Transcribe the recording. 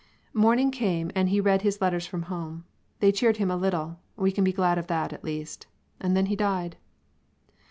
Morning came and he read his letters from home. They cheered him a little; we can be glad of that, at least. And then he died.